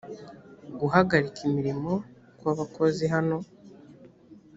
guhagarika imirimo kw abakozi hano